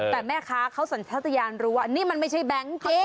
แต่แม่ค้าเขาสัญชาติยานรู้ว่านี่มันไม่ใช่แบงค์จริง